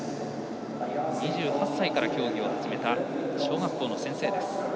２８歳から競技を始めた小学校の先生です。